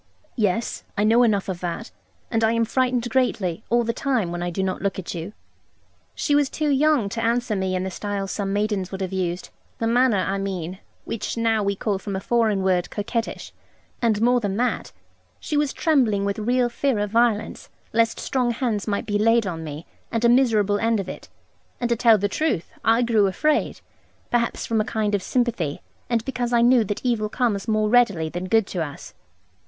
'Yes, I know enough of that; and I am frightened greatly, all the time, when I do not look at you.' She was too young to answer me in the style some maidens would have used; the manner, I mean, which now we call from a foreign word 'coquettish.' And more than that, she was trembling from real fear of violence, lest strong hands might be laid on me, and a miserable end of it. And to tell the truth, I grew afraid; perhaps from a kind of sympathy, and because I knew that evil comes more readily than good to us.